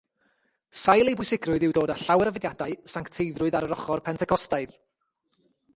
Sail ei bwysigrwydd yw dod â llawer o fudiadau Sancteiddrwydd ar yr ochr Pentecostaidd.